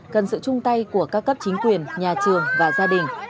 cần sự chung tay của các cấp chính quyền nhà trường và gia đình